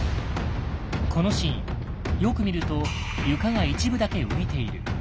このシーンよく見ると床が一部だけ浮いている。